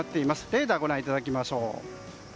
レーダー、ご覧いただきましょう。